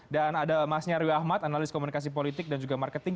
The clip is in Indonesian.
dan ada mas nyariu ahmad analis komunikasi politik dan marketing